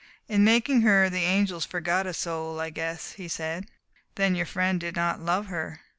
"In making her the angels forgot a soul, I guess," he said. "Then your friend did not love her."